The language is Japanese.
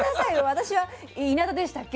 私はいなだでしたっけ？